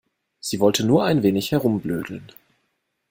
Sie wollte nur ein wenig herumblödeln.